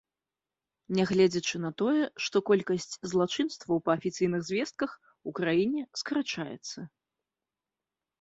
Нягледзячы на тое, што колькасць злачынстваў, па афіцыйных звестках, у краіне скарачаецца.